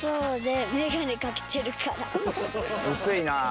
［薄いなぁ］